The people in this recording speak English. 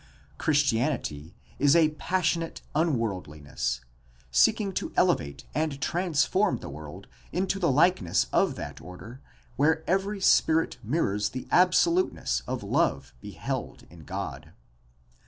Christianity is a "passionate unworldliness " seeking to elevate and trans form the world into the likeness of that order where every spirit mirrors the absoluteness of love beheld in God.